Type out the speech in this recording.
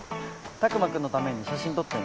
拓磨くんのために写真撮ってるの。